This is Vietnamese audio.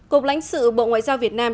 cục lãnh sự bộ ngoại giao việt nam